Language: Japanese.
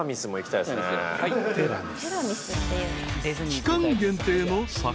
［期間限定の桜］